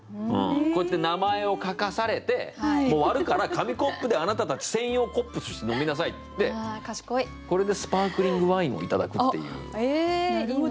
こうやって名前を書かされて「もう割るから紙コップであなたたち専用コップとして飲みなさい」って言ってこれでスパークリングワインをいただくっていう。